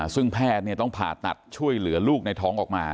ซึ่งแพทย์ต้องผ่าตัดช่วยเหลือลูกในท้องออกมา